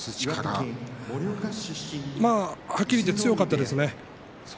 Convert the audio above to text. はっきり言って強かったですね。